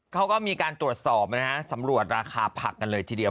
เขาก็มีการตรวจสอบนะฮะสำรวจราคาผักกันเลยทีเดียว